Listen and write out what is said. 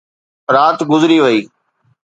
رات گذري وئي.